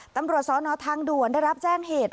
ตำรวจสนทางด่วนได้รับแจ้งเหตุ